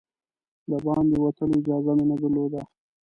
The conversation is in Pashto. د باندې وتلو اجازه مو نه درلوده.